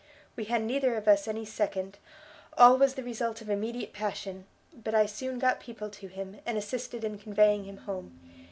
We had neither of us any second, all was the result of immediate passion; but I soon got people to him, and assisted in conveying him home.